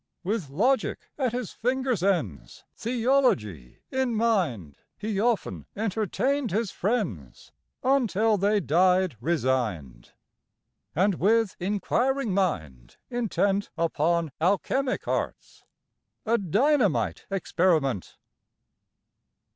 With Logic at his fingers' ends, Theology in mind, He often entertained his friends Until they died resigned; And with inquiring mind intent Upon Alchemic arts A dynamite experiment